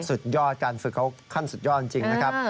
สุดยอดการฝึกเขาขั้นสุดยอดจริงนะครับ